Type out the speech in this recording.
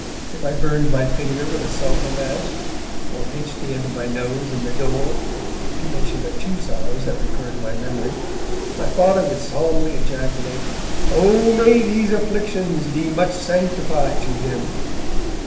If I burned my finger with a sulphur match, or pinched the end of my nose in the door (to mention but two sorrows that recur to my memory), my Father would solemnly ejaculate: 'Oh may these afflictions be much sanctified to him!'